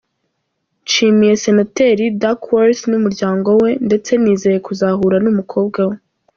Nshimiye Senateri Duckworth n’umuryango we, ndetse nizeye kuzahura n’umukobwa we.